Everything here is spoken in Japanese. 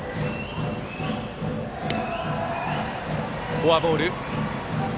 フォアボール。